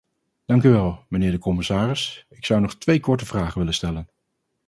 Dank u wel, mijnheer de commissaris, ik zou nog twee korte vragen willen stellen.